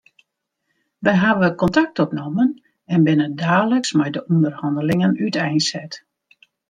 Wy hawwe kontakt opnommen en binne daliks mei de ûnderhannelingen úteinset.